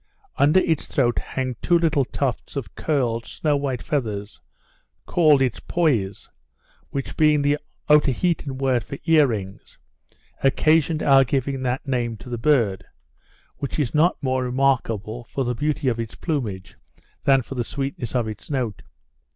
Under its throat hang two little tufts of curled, snow white leathers, called its poies, which being the Otaheitean word for earrings, occasioned our giving that name to the bird, which is not more remarkable for the beauty of its plumage than for the sweetness of its note.